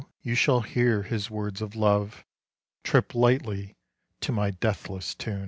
you shall hear his words of love Trip lightly to my deathless tune.